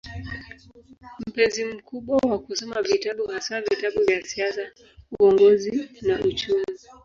Mpenzi mkubwa wa kusoma vitabu, haswa vitabu vya siasa, uongozi na uchumi.